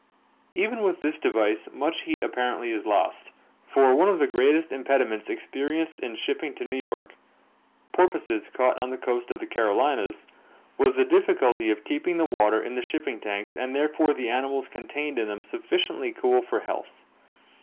Even with this device much heat apparently is lost, for one of the greatest impediments experienced in shipping to New York porpoises caught on the coast of the Carolines was the difficulty of keeping the water in the shipping tanks and therefore the animals contained in them sufficiently cool for health.